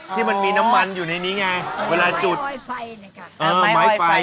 ที่มันมีน้ำมันอยู่ในนี้ไงเวลาจุดไม้ออยไฟนะครับ